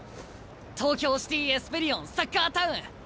東京シティ・エスペリオンサッカータウン。